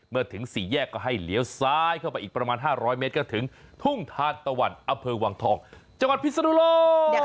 ถึง๔แยกก็ให้เลี้ยวซ้ายเข้าไปอีกประมาณ๕๐๐เมตรก็ถึงทุ่งทานตะวันอำเภอวังทองจังหวัดพิศนุโลก